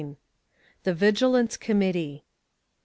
THE VIGILANCE COMMITTEE.